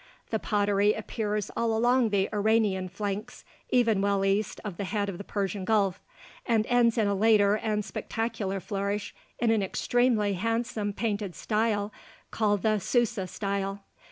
The pottery appears all along the Iranian flanks, even well east of the head of the Persian Gulf, and ends in a later and spectacular flourish in an extremely handsome painted style called the "Susa" style.